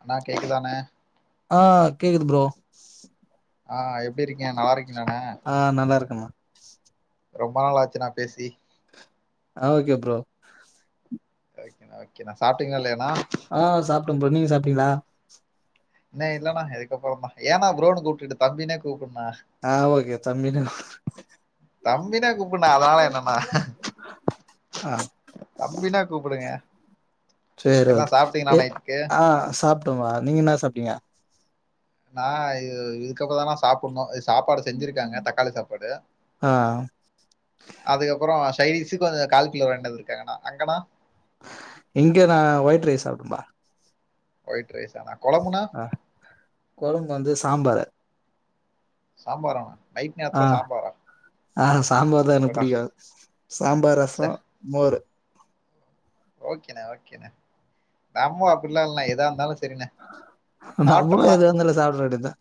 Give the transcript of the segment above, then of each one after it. அண்ணா கேக்குதானே ஆஹ் கேக்குது ப்ரோ ஆஹ் எப்டி இருக்கீங்க நல்லா இருக் ஆஹ் நல்லா இருக்குமா ப்பி ரொம்ப நாளாச்சு நா பேசி ஆ ஓகே ப்ரோ ஒகேன ஓகேனா சாப்ட்டீங்களா இல்லயான ஆஹ் சாப்பிட்டோம் ப்ரோ நீங்க சாப்ட்டீங்களா இன்ன இல்லன்னா இதுக்கப்புறம் தான் ஏன்னா ப்ரோனு கூப்பிட்டு தம்பினே கூப் னா ஆ ஓகே தம்பினு தம்பினே கூப்பிட்னா அதனால என்னன்னா ஆஹ் சரி ஓக என்ன சாப்ட்டீங்களா நைட்டுக்கு ஆஹ் சாப்பிட்டோமா நீங்க என்ன சாப்பிட்டீங்க நான் இது இதுக்கப்புற தானா சாப்பிடணும் சாப்பாடு செஞ்சிருக்காங்க தக்காளி சாப்பாடு ஆ அதுக்கப்புறம் சைடீஸுக் கொஞ்சம் கால் கிலோ வாங்கிட்டு வந்துருக்கங்கான அங்கண்ணா இங்க நான் ஒயிட் ரைஸ் சாப்பிட்டேபா ஒயிட்ரைசானா அஹ் குழம்பு வந்து சாம்பரு சாம்பார்ரான ஆஹ் ஆஹ் சாம்பார் தான் எனக்கு அடடா பிடிக்காது சாம்பார் ரசம் மோரு ஓகேண்ணா ஓகேண்ணா நம்ம அப்படிலாம் இல்லனா ஏதா இருந்தாலும் ச நம்மளு ஏதோ ஒண்ணுல சாப்ட்றவேண்டியதுதா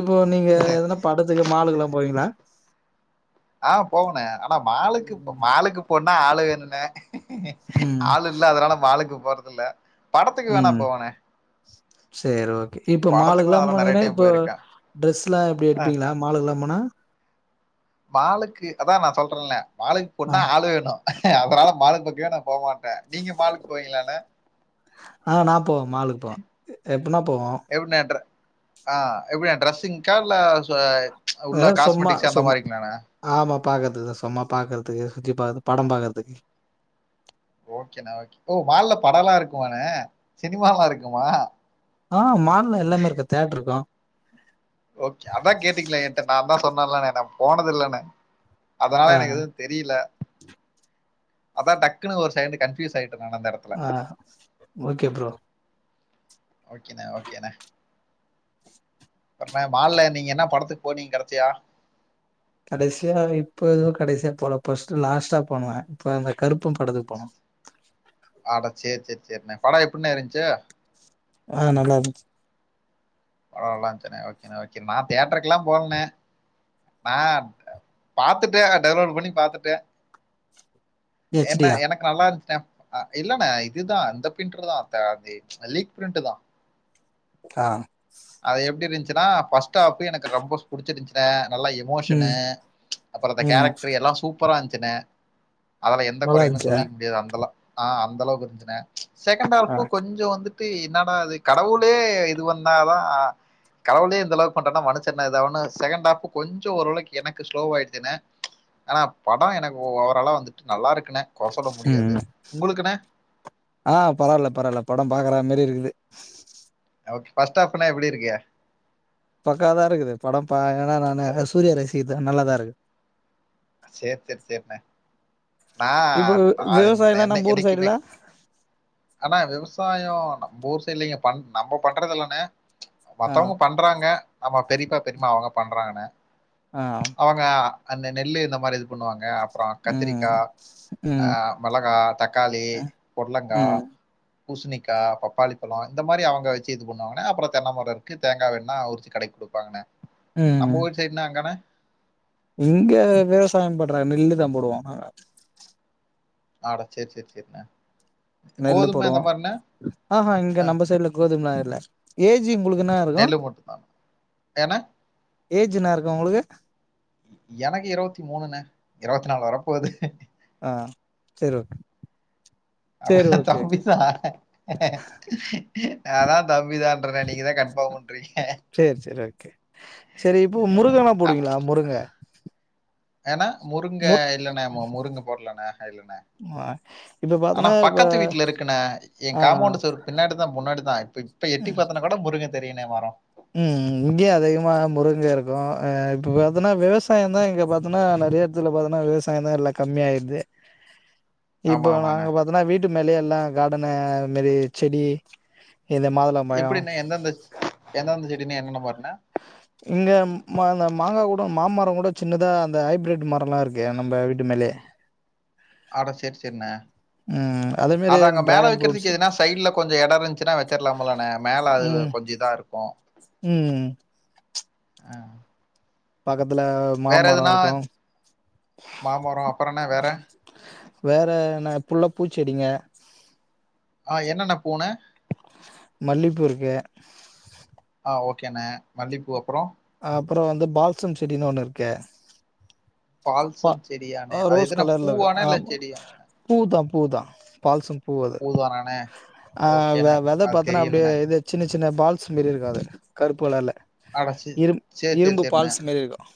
இப்போ நீங்க எதுனா படத்துக்கு மாலுக்கல்லா போவீங்களா ஆஹ் போவண்ணே ஆனா மாலுக்கு மாலுக்கு போன் ஆ ஆளு வேணுன்னே ம் ஆள் இல்ல அதனால மாலுக்கு போறதுல உம் சேரி ஓகே இப்ப படத்துக்குலாம் மாலுக்கெல்லாம் அதெல்லாம் நெறைய போனிங்கான டைம் இப்ப போயிருக்கேன். ட்ரெஸ்ல்லாம் எப்படி அ எடுப்பீங்களா மாலுக்கெல்லாம் போனா மாலுக்கு அதான் நான் சொல்றேன்ல மாலுக்கு ஆ போனா ஆள் வேணும் அதனால மாலுக்கு பக்கமே நா போமாட்டே நீங்க மாலுக்கு போவீங்களாண்ணே ஆ நா போவோம் மாலுக்கு போம் எப்பனா போவோம் ஆஹ் எப்படியா டிரரெஸ்ஸிங்க்கா இல்ல சோ ஆ சும்மா சும் ஆமா பாக்கறதுக்குதா சும்மா பாக்கறக் து சுத்தி பாத்து படம் பாக்கறதுக்கு ஓகேண்ணா ஓகே ஓ மால்ல படம் எல்லாம் இருக்குமாண்ணே சினிமல்லாம் இருக்குமா ஆஹ் மால்ல எல்லாமே இருக்கும் தியேட்டர் இருக்கும் ஓகே அதான் கேட்டீங்களா ஏன்ட நான் தான் சொன் ண்ணே இல்லண்ணே நா போனது இல்லண்ணே அதனால ஆ எனக்கு எதுவும் தெரில அதான் டக்குன்னு ஒரு செகண்ட் கன்ஃபூஸ் ஆய் ஆஹ் ஓகே ப்ரோ ஓகேண ஓகேண அப்ரம்னா மால்ல நீங்க என்ன படத்துக்கு போ நீங்க கடசிய கடைசியா இப்பதும் கடைசியா போல ஃபர்ஸ்ட் லாஸ்ட்டா போனே இப்ப அந்த கருப்பு அட சேரி சேரி செரிண்ணே படோ எப்டிணே இருந்ச்சு ஆஹ் நல்லாருந்துச்சு படோ நல்லாருந்துச்சுனே ஓகேண்ணே ஓகேண்ணே நா தியேட்டருக்கலா போலணே நா பாத்துட்டே டவுன்லோட் பண்ணி பாத்துட்டே ஹெச் டி என்ன யா எனக்கு நல்லா இருந்துச்சுணே அ இல்லண்ணா இதுதான் அந்த பிரிண்ட்ர் தான் லீக் பிரிண்ட் தான் ஆஹ் ஃபஸ்ட் ஆஃப் எனக்கு ரொம்ப புடிச்சிருக்குனே நல்ல எமோஷனு ம் அப்ற இந்த ம் கேரக்ட்ரு எல்லா சூப் சூப்பராருந்துச்சினே அதுல எந்த நல்லா குறையுமே இருந்துச்சா சொல்லிக்க முடியாது அந்தெல்லா ஆஹ் அந்த அளவுக்கு இருந்துச்னே செகண்ட் ஆ ஆப்பு கொஞ்சம் வந்து என்னடா அது கடவுளே இது வந்தாத ஆ கடவுலயே இந்தளவுக்கு பண்ற மனுச என்ன எத ஒன்னு செகண்ட் ஆப் கொஞ்சம் ஓரளவுக்கு எனக்கு ஸ்லோவா ஆயிடுத்தன ஆனா படம் எனக்கு ஓரளவு வந்துடு நல்லா இருக்கு உம் ஆஹ் பரவால பரவால படம் பாக்குற மாதிரி இருக்குது ச்சி ஓகே ஃபர்ஸ்ட் ஆஃப்னா எப்படி இருக்க பக்காவாதா இருக்கு படம் பா ஏனா நானு சூரிய ரசிகர்த்தன நல்லதா இருக்கு சரி சரி சேரின்ன நா இப்போ அது என் விவசாயல்லா என்னை நம்ப ஊர் என்னைக்குமே சைடுல ஆனா விவசாயம் நம்ம ஊர் சைட்ல இங்க பண் நம்ம பண்றதுல்லன ஆ மத்தவங்க பண்றாங்க நம்ம பெரியப்பா பெரியமா அவங்க பண்றாங்கன்ன ஆ அவங்க அந்த நெல்லு இந்த மாதிரி இது பண்ணுவாங்க அப்புறம் கத்திரிக்க ம் ம் மிளகா தக்காளி ம் புடளங்கா ம் பூசணிக்காய் பப்பாளி பழம் இந்த மாதிரி அவங்க வச்சு இது பண்ணுவாங்கே அப்புறம் தென்னைமர இருக்கு தேங்கா வெட்டுனா உரிச்சு கடக்கி கொடுப்பாங்கனே நம்ப ம் ஊர் சைடுனா அங்கனா இங்க விவசாயம் பண்றாங்க நெல்லு வந்துடும் ஆட சரி சரி சரிண்ண நெல்லு போடுவோம் ஆஹ்ஹ இங்க அ நம்ம சைடு்ல கோதும இல்ல ஏஜ் உங்களுக்கு என்ன இருக்கும் நெல்லு மட்டும் தானா? ஏண்ணே? ஏஜ் என்ன இருக்கு உங்களுக்கு எனக்கு இருவத்தி மூனுனே இருவத்தி நாலு வர போகுது ஆஹ் சரி ஓகே சரி அப்புறான் ஓகே ஓகே தம்பிதான் நாதான் தம்பிதன்ற நீங்கதா கண்பாம் பண்றீங்க சரி சரி ஓகே சரி இப்போ முருங்கல்லா அ போடுவீங்களா முருங்க என்னா முருங்க முரு இல்லண்ணா முருங்கை போடலண்ணா இல்லண்ணா ஆ இப்ப ஆனா பாத்தன்னா இப்ப பக்கத்து வீட்டுல இருக்குன ஆ என் காம்பவுண்ட சார் பின்னாடி தான் முன்னாடி தான் இப்ப இப்ப எட்டி பார்த்தா கூட முருங்க தெரியனே மாறோம் உம் இங்கேயே அதிகமா முருங்க இருக்கும்ஹ இப்ப பாத்தீன்னா விவசாயம்தான் இங்க பாத்தோன்னா நிறைய இடத்துல பாத்தீன்னா விவசாயம தான் எல்லாம் கம்மியாயிடுது ஆமா, இப்ப ஆமாண்ணே. நாங்க பாத்தன்னா வீட்டு மேல எல்லாம் கார்டன மாரி செடி இந்த மாதுளம் பயம் ந்தே என்ன ஆஹ மா அந்த மாங்கா கூட மாமரம் கூட சின்னதா அந்த ஹைபிரிட் மரம்ல்லாம் இருக்கே நம்ம வீட்டு மேலயே ஆட செரி செரிண்ண ம் அதே மாரி அத அங்க மேல டிராகன் ஃப்ரூட்ஸ் வைக்கறிறதுக்கு எதுனா சைட்ல கொஞ்சம் இட இருந்துச்சுன்னா வச்சிடலாமலண்ண மேல அது ம் கொஞ்சம் இதான் இருக்கும் ம் ஆஹ் பக்க வேற எதுனா மாமரம் அப்புறம் என்ன வேற வேற என்ன புள்ள பூச்செடிங்க ஆஹ் என்னன்ன பூன மல்லிப்பூருக்கு ஆஹ் ஓகேண்ணே மல்லிப்பூ அப்புறம் அப்புறம் வந்து பால்சம் செடனு ஒண்ணு இருக்க பால்சம் செடியாண்ணே? அது ரோஸ் எதுனா கலர்ல இருக்கு பூவாண்ணே? இல்ல ஆமா செடியாண்ணே? பூ தான் பூ தான் பால்ஸன் பூ அது ஆஹ் ஓகேண்ணே. வெத அது பத்தன்னா தெரியலண்ணே. அப்படிய சின்ன சின்ன பால்ஸ் மாரி இருக்காது கருப்புகளல்ல அட! சே இரும் சரி, இரும்பு பால்ஸ் மாதிரி இருக்கும்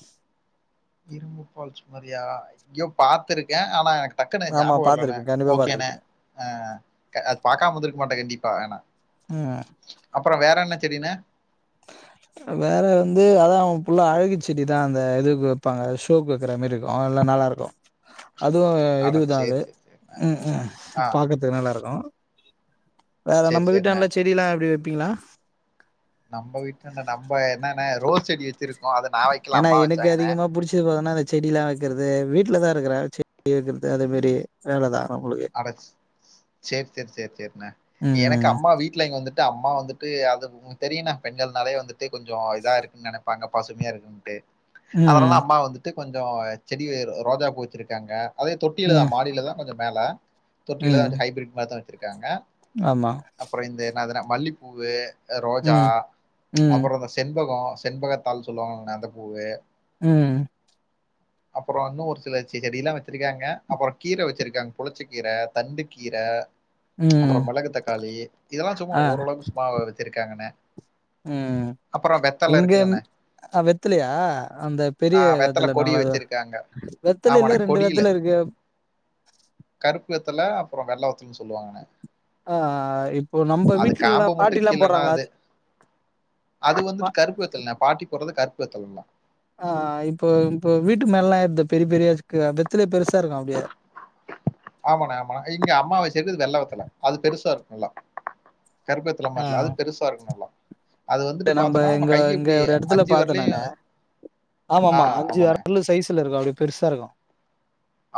இரும்புபால்ச்சு மாரியா ஐயோ பாத்திருக்கேன் ஆனா எனக்கு டக்கு ஆமா ஞாபக வரலணே பாத்திருப்பீங்க கண்டிப்பா ஓகேணே பாத்திருப்பீங்க ஹா அது பாமக்க மாட்டேன் கண்டிப்பா ம் அப்புறம் வேற என்ன செரினா வேற வந்து அதான் அவங்கல்ல அழகு செடிதான் அந்த எதுக்கு வைப்பாங்க ஷோக்கு வைக்கிற மாதிரி இருக்கும் எல்ல நல்லா இருக்கும் அதுவும் அட சரி, இதுதான்து சரி, சரிண்ணே. ம்ம் ஆ பாக்ரக்கறதுக்கு நல்லா இருக்கும் வேற சரி, நம்ம வீட்டா சரிண்ணே. நல்ல செடி எல்லாம் அப்படி இருப்பீங்களா நம்ம வீட்டு நம்ம என்ன ரோஸ் செடி வச்சிருக்கு ஏன்னா எனக்கு அதிகமா புடிச்சது போதனா செடிலாம் வைக்கிறது வீட்டில தான் இருக்கிறாங்க செடி வைக்கிறது அதே மாரி வேலை தான் செரி செரி செரிசெரிண்ணே எனக்கு ம் அம்மா வீட்டுல இங்க வந்துட்டு ட்டு அம்மா வந்துட்டு அது உங்க தெரியும்னா பெண்கள்னாலே வந்துட்டு கொஞ்சம் இதா இருக்குன்னு நினைப்பாங்க பசுமையா இருக்குன்ட்டு அதனால ம் அம்மா வந்துட்டு கொஞ்சம் செடி ரோஜா பூ வச்சிருக்காங்க அதே ம் தொட்டிலான் மாடில தான் கொஞ்சம் மேல தொட்டில ம் தான் ஹபிட் மாரி தா வச்சே இருக்காங்க ஆமா அப்புறம் இந்த என்னதுன மல்லிப்பூவு ரோஜா ம் ம் அப்புறம் இந்த சென்பகம் செண்பகத்தாள் சொல்லுவாங்கன்ன அந்த பூவு உம் அப்புறம் இன்னும் ஒரு சில செடி எல்லாம் வச்சிருக்காங்க அப்புறம் கீரை வச்சிருக்காங்க புளிச்ச கீரை தண்டு கீரை ம் அப்பறம் மிளகு தக்காளி இதெல்லாம் சும்மா ஓரளவுக்கு சும்மா வச்சுருக்காங்கனே உம் இங்க இருக்குல்லண்ணே அஹ் வெத்தலையா அந்த பெரிய ஆஹ் வெத்தலை வெத்துல கொடி நாங்களது வச்சிருக்காங்க ஆமாண்ணே வெத்தலையில ரெண்டு கொடியில வெத்துல இருக்கு கருப்பு வெத்தல அப்பறம் வெள்ளை வெத்தலுமுன்னு சொல்லாங்கானே ஆ இப்போ நம்ம அது வீட்லல்லா காம்ப மட்டும் பாட்டில்லா கீழனா போடுறாங்களா அது அது பா வந்துட்டு கருப்பு வெத்தல பாட்டி போடுறது கருப் [unintelligible] ஆ இப்போ இப்போ வீட்டு மேல எல்லாம் எருது பெரிய பெரியா பெத்துலய பெருச ஆமான்னா ஆமான்னா இங்க அம்மாவ வைச்சிருக்குது வெள்ளை வெத்துல அது பெருசா இருக்கும் இல்லாம் கருபெத்தவ மாில அது பெருசா இருக்கணும் நல்லா அது இங்க வந்துட்டு நம்ம பார்த்தோம்னா இங்க கை இங்க இப்படி ஒரு இடத்துல அஞ்சு பாத்த நானு வரலையும் ஆமா ஆ ஆமா அஞ்சு ஆமாண்ணே விரல் சைஸ்ல இருக்க பெருசா இருக்கும்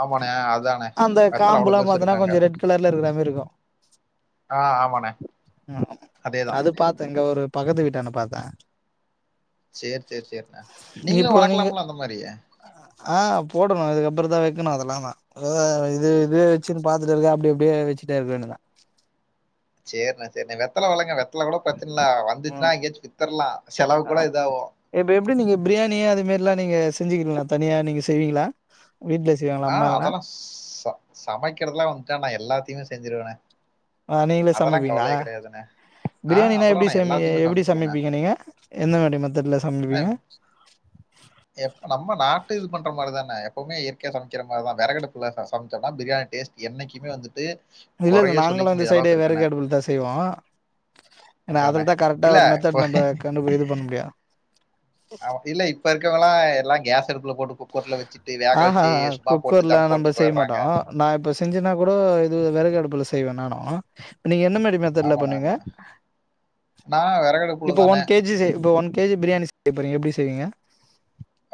ஆமாண்ணே அதானே அந்த வெத்தலை அவ்வளவு காம்பல்லா பெருசு பாத்தனா இருக்காங்க கொஞ்ச ரெட் கலர்ல இருக்குறா மாரி இருக்கும் ஆ ஆமாண்ணே ம் அதேதான் அது பாத்த இங்க ஒரு பக்கத்து வீட்டான்டா பாத்தேன் சேரி சேரி சேரிண்ணா நீங்களும் வளக்கலாங்கல அந்த மாரியே ஆஹ் போடணும் இதுக்கப்புறத்தான் வைக்கணும் அதெல்லாம் தான் இது இது வச்சுன்னு பாத்துட்டு இருக்கேன் அப்படி அப்படியே வச்சுட்டே இருக்க வேன்னுதான் செரிண்ணே செரி வெத்தல வளங்க [unintelligible] கூட பிரச்சன இல்ல வந்துச்சுன்னா ம் எங்கயாச்சு வித்தரலா செலவுக்கு கூட ஆம் இதாவு எல்லாம் நீங்க செஞ்சுக்கிறீங்களா தனியா நீங்க செய்வீங்களா வீட்ல செய்வாங்களா அம்மா ஆஹ் எதனா அதெல்லாம் ஸ்ஸ்சா சமைக்கிறதுதெல்லாம் வந்துட்டு நான் எல்லாத் சத்திய செஞ்சுருவான ஆஹ் நீங்களு சமைப்பீங்களா ஆ பிரியாணினா எப்டி அதெல்லாம் நான் சமி எல்லாத்தையுமே எப்டி சமைச்சிருவேண்ணே சமைப்பீங்க நீங்க எந்த மாரி மெத்தட்ல அண்ணே, சமைப்பீங்க எப்ப நம்ம நாட்டு இது பண்ற மாரி தானே எப்பவுமே சமைக்கிறமாரிதான் விறகடுப்புல சமைச்சோம்னா பிரியாணி டேஸ்ட் என்னைக்குமே வந்துட்டு இல்ல இல்ல குறையே சொல்லிக்க நாங்களும் இந்த முடியாத சைடே அளவுக்கு இருக்குண்ணே. வேறுகடுபல தான் செய்வோம் ஏன்னா அதானே! அதுலதான் கரெக்டா இல்ல ஒரு இப்போ மெத்தட் நம்ப கண்டு இது பண்ண முடியும் அ இல்ல இப்ப இரு [unintelligible] எல்லா கேஸ் அடுப்புல போட்டு குக்கர்ல வச்சுட்டு, வேக வச்சு ஆஹஹாஹா சும்மா போட்டு குக்கர்ல தம் நம்ப போட்டு செய்ய மாட்டோ போயிடுறாங்க. நா இப்ப செஞ்சன்னா கூட இது வெறகு அடுப் செய்வேன் நானும் நீங்க என்ன மாரி மெதட்ல ஆமாண்ணே, பண்ணுவீங்க ஆமாண்ணே. நான் விறகடுப்புல இப்போ தானே ஒன் கேஜி இப்போ ஒன் கேஜி பிரியாணி செய்றீங்க எப்டி செய்வீங்க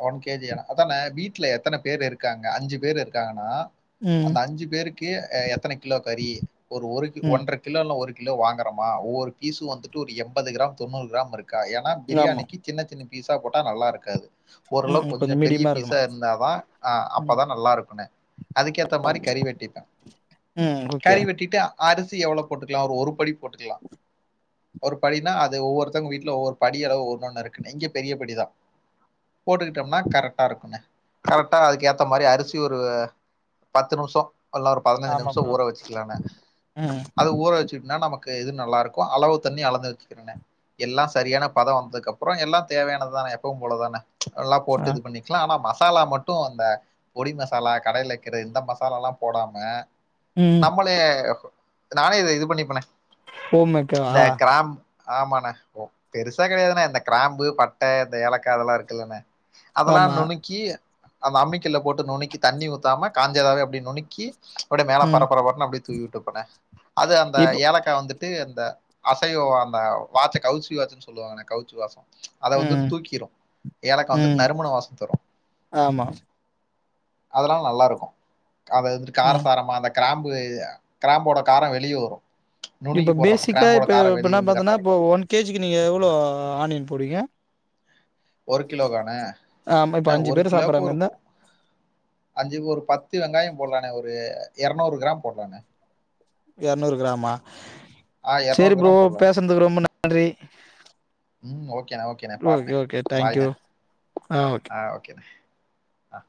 ஒன் கேஜி அதானே வீட்டுல எத்தனை பேரு இருக்காங்க அஞ்சு பேரு இருக்காங்கன்னா ம் அந்த அஞ்சு பேருக்கு எத்தனை கிலோ கறி ஒரு ஒரு ம் ஒன்றரை கிலோல்ல ஒரு கிலோ வாங்குறமா ஒவ்வொரு பீஸும் வந்துட்டு ஒரு எண்பது கிராம் தொண்ணூறு கிராம் இருக்கு ஏன்னா ஆமா பிரியாணிக்கு சின்ன சின்ன பீஸா போட்டா நல்லா இருக்காது ம் ஓரளவு ம் கொஞ்சோ கொஞ்சம் பெரிய மீடியமா இருக்கணு பீஸாக இருந்தால் தான் அப்போ ம் தான் நல்லா இருக்குணே அதுக்கேற்ற மாதிரி கறி வெட்டிப்பேன் ம் ஓகே கறி வெட்டிட்டு அரிசி எவ்வளோ போட்டுக்கலாம் அவ ஒரு படி போட்டுக்கலாம் ஒரு படினா அது ஒவ்வொருத்தவங்க வீட்டுல ஒவ்வொரு படி அளவு ஒன்னு ஒண்ணு இருக்குணு இங்க பெரிய படிதான் போட்டுக்கிட்டோம்னா கரெக்டா இருக்குண்ணு கரெக்டா அதுக்கு ஏத்த மாதிரி அரிசி ஒரு பத்து நிமிஷம் அதல்லாம் ஒரு பதினைஞ்சு ஆமா நிமிஷம் ப்ரோ. ஊற வச்சுக்கலான ம் அது ஊற வச்சுனா நம இது நல்லா இருக்கும் அளவு தண்ணி அளந்து வச்சுக்கிறேன் எல்லாம் சரியான பதம் வந்ததுக்கு அப்புறம் எல்லாம் தேவையானதுதானே எப்பவும் போலதானே எல்லாம் ஆ போட்டு இது பண்ணிக்கலாம் ஆனாச மசாலா மட்டும் அந்த பொடி மசாலா கடைலக்கரை இந்த மசாலா எல்லாம் போடாம ம் நம்மளே நானே இத இது பண்ணிப்பனேன் போமைக்க ஆஹ் ஆமாண்ணா ஓ பெருசா கிடையாதுன்னா இந்த கிராம்பு பட்டை இந்த ஏலக்காய் அதெல்லாம் இருக்கு இருக்கலான அதெல்லாம் ஆமா நுனுக்கி அந்த அம்மிக்கள்ள போட்டு நுக்கி தண்ணி ஊத்தாம காஞ்சேதாவே அப்படி நுக்கி அப்படியே மேல ம் பரப்பரப்பறன்னு அப்படியே தூவி விட்டு போனேன் அது அந்த இப்போ ஏலக்காய் வந்துட்டு அந்த அசைவம் அந்த வாச்சை கவுச்சி வாச்சுன்னு சொல்லுவாங்கண்ண கவுச்சி வாசம் அத வந்துட்டு ம் தூக்கிடும் கக்க வந்துட்டு ம் நறுமணம் வாசம் தரும் ஆமா அதெல்லாம் நல்லா இருக்கும் அத ம் காரசாரமா அந்த கிராம்பு கிராம்போட காரம் வெளியே வரும் இப்போ நுணுக்கி போடுறப்ப பேசிக்காக கிராம்போட இப்போ காரம் இப்போ வெளிய என்ன வந்து கரெக்டா பார்த்தீங்கன்னா இப்போ இருக்கும் ஒன் கேஜிக்கு நீங்கள் எவ்வளோ ஆனியன் போடுங்க ஒரு கிலோக்கானு ஆமா இப்ப அண்ண அஞ்சு ஒரு பேர் சாப்பட்ற கிலோவுக்கு மாரி ஒரு இருந்தா அஞ்சு ஒரு பத்து வெங்காயம் போடலானே ஒரு இரநூறு கிராம் போடலாங்க இரநூறு கிராம ஆஹ் இரநூறு செரி ப்ரோ கிராம் போடலாண்ணே பேசுறதுக்கு ரொம்ப நன்றி ம் ஓகேண்ணே ஓகேண்ணே பாருண்ணே ஓகேஓகே தேங்க்யூ பாய்ண்ணே ஆஹ் ஓகேண்ணே ஆஹ்